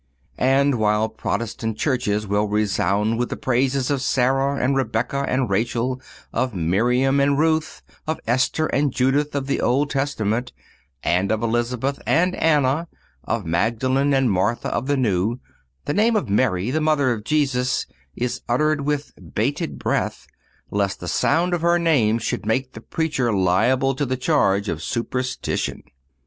And while Protestant churches will resound with the praises of Sarah and Rebecca and Rachel, of Miriam and Ruth, of Esther and Judith of the Old Testament, and of Elizabeth and Anna, of Magdalen and Martha of the New, the name of Mary the Mother of Jesus is uttered with bated breath, lest the sound of her name should make the preacher liable to the charge of superstition.